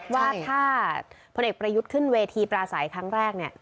ว่าถ้าพลเอกประยุทธ์ขึ้นเวทีปราศัยครั้งแรกเนี่ย